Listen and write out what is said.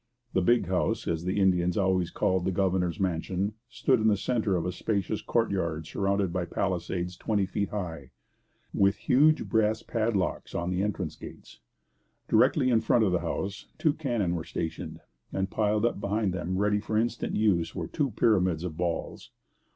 The 'Big House,' as the Indians always called the governor's mansion, stood in the centre of a spacious courtyard surrounded by palisades twenty feet high, with huge brass padlocks on the entrance gates. Directly in front of the house two cannon were stationed, and piled up behind them ready for instant use were two pyramids of balls.